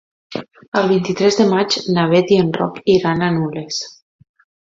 El vint-i-tres de maig na Bet i en Roc iran a Nules.